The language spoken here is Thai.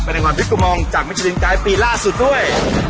เป็นรางวัลปิบกุมองจากมิชลิงไกยปีล่าสุดด้วย